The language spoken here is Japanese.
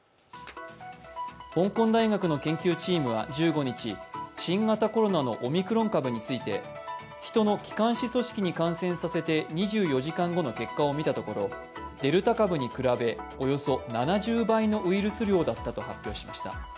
香港大学の研究チームは１５日、新型コロナのオミクロン株について、人の気管支組織に感染させて２４時間後の結果をみたところ、デルタ株に比べておよそ７０倍のウイルス量だったと発表しました。